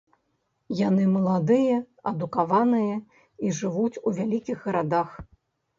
Яны маладыя, адукаваныя і жывуць у вялікіх гарадах.